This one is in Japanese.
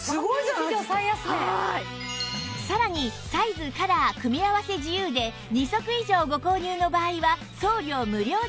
さらにサイズカラー組み合わせ自由で２足以上ご購入の場合は送料無料でお届けします